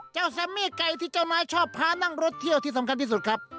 แซมมี่ไก่ที่เจ้านายชอบพานั่งรถเที่ยวที่สำคัญที่สุดครับ